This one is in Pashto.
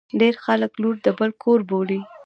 ډیر خلګ لور د بل کور بولي.